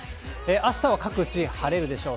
あしたは各地晴れるでしょう。